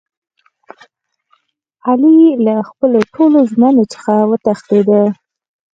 علي له خپلو ټولو ژمنو څخه و تښتېدا.